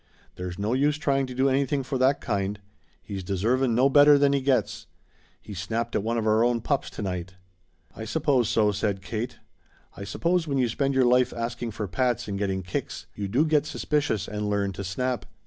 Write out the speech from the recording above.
There's no use trying to do anything for that kind. He's deservin' no better than he gets. He snapped at one of our own pups to night." "I suppose so," said Kate. "I suppose when you spend your life asking for pats and getting kicks you do get suspicious and learn to snap.